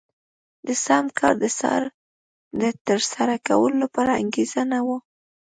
د سم کار د ترسره کولو لپاره انګېزه نه وه.